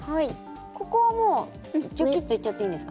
ここはもうじょきっていっちゃっていいですか？